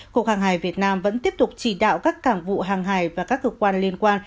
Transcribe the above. cục hàng hải việt nam vẫn tiếp tục chỉ đạo các cảng vụ hàng hải và các cơ quan liên quan